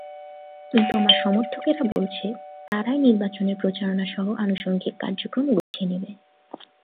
কিন্তু আমার সমর্থকেরা বলছে, তারাই নির্বাচনের প্রচারণাসহ আনুষঙ্গিক কার্যক্রম গুছিয়ে নেবে।